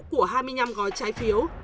của hai mươi năm gói trái phiếu